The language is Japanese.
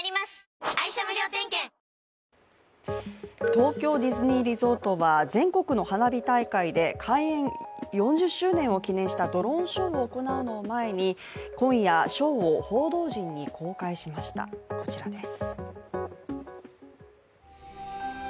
東京ディズニーリゾートは全国の花火大会で開園４０周年を記念したドローンショーを行うのを前に今夜、ショーを報道陣に公開しましたこちらです。